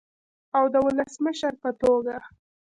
او د ولسمشر په توګه